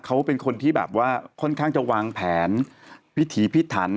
เขาเป็นคนที่แบบว่าค่อนข้างจะวางแผนพิถีพิถัน